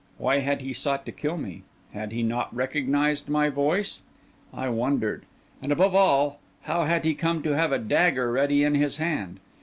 Why had he sought to kill me? Had he not recognised my voice? I wondered. And, above all, how had he come to have a dagger ready in his hand?